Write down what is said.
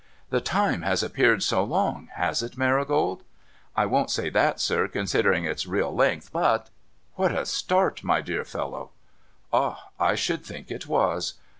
* The time has appeared so long, — has it. Marigold ?'' I won't say that, sir, considering its real length ; but '' What a start, my good fellow !' Ah ! I should think it was